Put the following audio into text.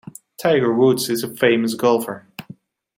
Tiger Woods is a famous golfer.